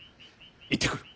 行ってくる。